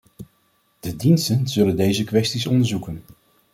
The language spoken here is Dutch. De diensten zullen deze kwesties onderzoeken.